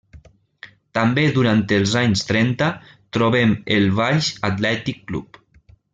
També durant els anys trenta trobem el Valls Atlètic Club.